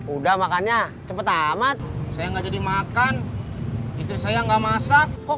udah makannya cepet amat saya nggak jadi makan istri saya enggak masak kok